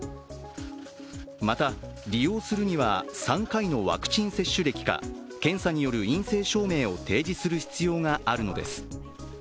また、利用するには３回のワクチン接種歴か検査による陰性証明を提示する必要があるのです。